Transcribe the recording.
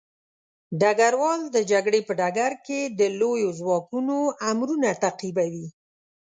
ډګروال د جګړې په ډګر کې د لويو ځواکونو امرونه تعقیبوي.